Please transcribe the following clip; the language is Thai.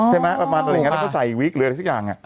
เสร็จมั้ยเขาใส่วิกเรือตามันสุดยอด